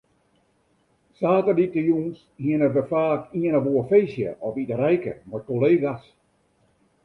Saterdeitejûns hiene we faak ien of oar feestje of iterijke mei kollega's.